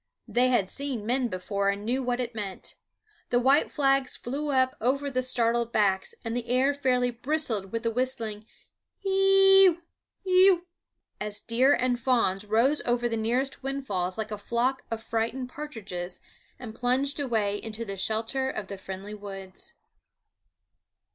They had seen men before and knew what it meant. The white flags flew up over the startled backs, and the air fairly bristled with whistling h e e e yeu, he u's as deer and fawns rose over the nearest windfalls like a flock of frightened partridges and plunged away into the shelter of the friendly woods.